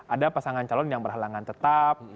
ada pasangan calon yang berhalangan tetap